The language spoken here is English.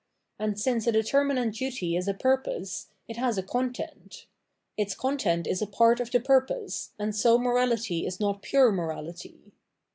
And since a determinate duty is a purpose, it has a content ; its content is a part of the purpose, and so morality is not pure morality.